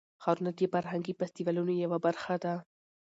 ښارونه د فرهنګي فستیوالونو یوه برخه ده.